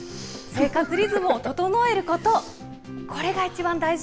生活リズムを整えること、これが一番大事。